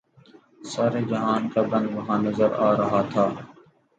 سارے جہان کا گند وہاں نظر آ رہا تھا۔